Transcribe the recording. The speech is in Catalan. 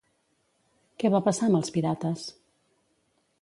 Què va passar amb els pirates?